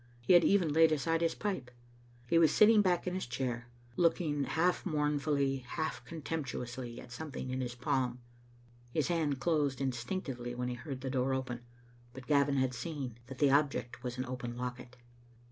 He had even laid aside his pipe. He was sitting back in his chair, looking half moumfully, half contempt uously, at something in his palm. His hand closed instinctively when he heard the door open, but Gavin had seen that the object was an open locket.